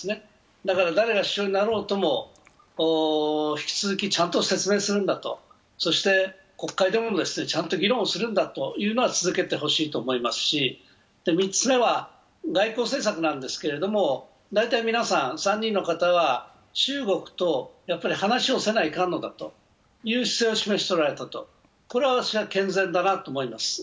だから誰が首相になろうとも、引き続きちゃんと説明するんだとそして国会でもちゃんと議論するんだというのは続けてほしいと思いますし、３つ目は、外交政策なんですけれども、大体皆さん、３人の方は中国と話をせにゃいかんのかという姿勢を示しておられたと、これは私は健全だなと思います。